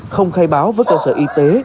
không khai báo với cơ sở y tế